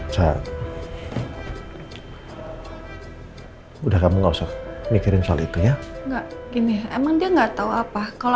sa udah kamu nggak usah mikirin soal itu ya enggak gini emang dia nggak tahu apa kalau